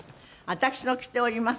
私の着ております